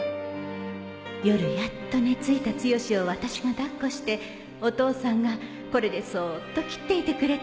夜やっと寝付いたつよしを私が抱っこしてお父さんがこれでそっと切っていてくれたのよ